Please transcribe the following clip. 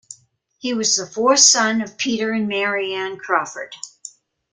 He was the fourth son of Peter and Mary Ann Crawford.